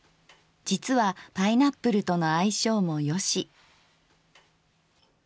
実はパイナップルとの相性も良し。